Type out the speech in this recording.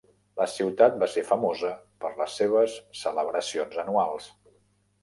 La ciutat va ser famosa per les seves celebracions anuals.